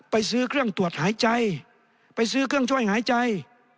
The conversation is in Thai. ไปซื้อเครื่องตรวจหายใจไปซื้อเครื่องช่วยหายใจ